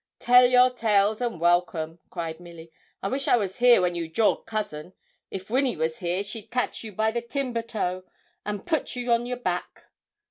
'Tell your tales, and welcome,' cried Milly. 'I wish I was here when you jawed cousin. If Winny was here she'd catch you by the timber toe and put you on your back.'